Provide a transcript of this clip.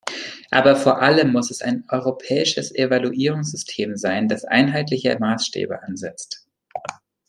Aber vor allem muss es ein europäisches Evaluierungssystem sein, das einheitliche Maßstäbe ansetzt.